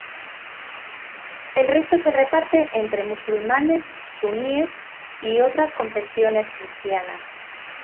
El resto se reparte entre musulmanes suníes y otras confesiones cristianas.